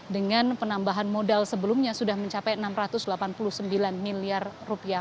dengan penambahan modal sebelumnya sudah mencapai enam ratus delapan puluh sembilan miliar rupiah